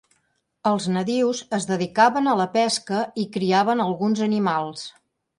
Els nadius es dedicaven a la pesca i criaven alguns animals.